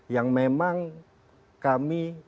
yang memang kami